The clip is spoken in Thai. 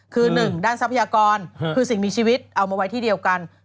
คือหนึ่งด้านทรัพยากรคือสิ่งมีชีวิตเอามาไว้ที่เดียวกัน